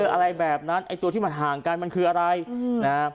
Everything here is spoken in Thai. อะไรแบบนั้นไอ้ตัวที่มันห่างกันมันคืออะไรนะ